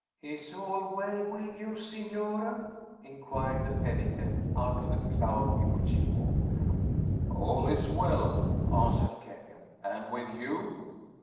"Is all well with you, Signore?" inquired the penitent, out of the cloud in which he walked. "All is well," answered Kenyon. "And with you?"